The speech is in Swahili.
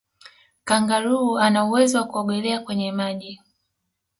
kangaroo ana uwezo wa kuogelea kwenye maji